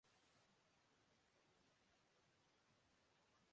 خاموشی اس قدر تھی